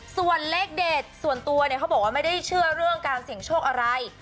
ส่วนเลขเด็ดส่วนตัวเนี่ยเขาบอกว่าไม่ได้เชื่อเรื่องการเสี่ยงโชคอะไร